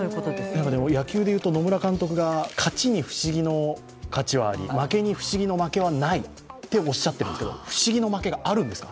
野球でいうと野村監督が勝ちに不思議の勝ちはあり負けに不思議の負けはないとおっしゃっているんですけど、不思議の負けはあるんですか？